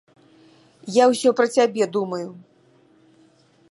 Я ўсё пра цябе думаю.